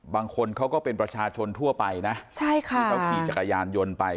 บางคนเขาก็เป็นประชาชนทั่วไปนะใช่ค่ะที่เขาขี่จักรยานยนต์ไป